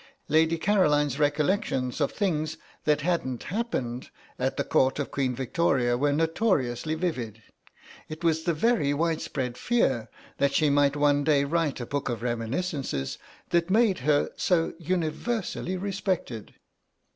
Lady Caroline's recollections of things that hadn't happened at the Court of Queen Victoria were notoriously vivid; it was the very widespread fear that she might one day write a book of reminiscences that made her so universally respected.